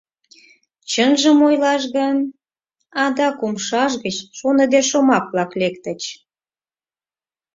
— Чынжым ойлаш гын... — адак умшаж гыч шоныде шомак-влак лектыч.